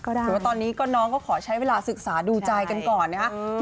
แต่ว่าตอนนี้ก็น้องก็ขอใช้เวลาศึกษาดูใจกันก่อนนะครับ